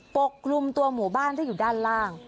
ปกคลุมตัวหมู่บ้านที่อยู่ด้านล่าง